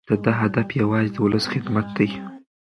د ده هدف یوازې د ولس خدمت دی.